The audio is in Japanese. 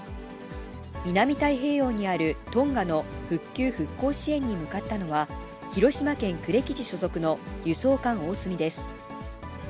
南太平洋にあるトンガの復旧・復興支援に向かったのは、広島県呉基地所属の輸送艦おおすみです。